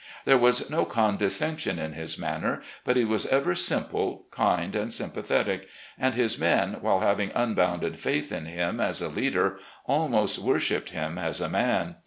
There was no condescension in his manner, but he was ever simple, kind, and sjmipathetic, and his men, while having unbounded faith in liim as a leader, almost wor shipped him as a man.